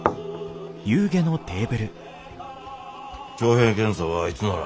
徴兵検査はいつなら？